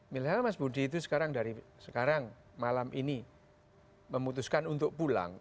misalnya mas budi itu sekarang dari sekarang malam ini memutuskan untuk pulang